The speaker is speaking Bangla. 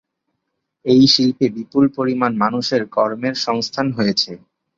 এই শিল্পে বিপুল পরিমাণ মানুষের কর্মের সংস্থান হয়েছে।